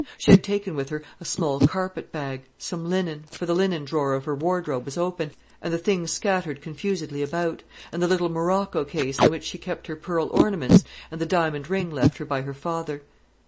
She had taken with her a small carpet bag, some linen, for the linen drawer of her wardrobe was open, and the things scattered confusedly about, and the little morocco case in which she kept her pearl ornaments, and the diamond ring left her by her father.